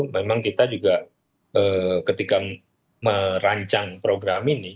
memang kita juga ketika merancang program ini